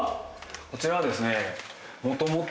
こちらはですね。